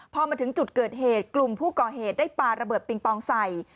พอมาถึงจุดเกิดเหตุกลุ่มผู้ก่อเหตุได้ปลาระเบิดปิงปองใส่